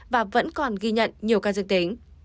và vẫn còn ghi nhận nhiều ca dương tính